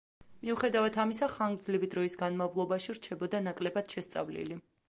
მიუხედავად ამისა ხანგრძლივი დროის განმავლობაში რჩებოდა ნაკლებად შესწავლილი.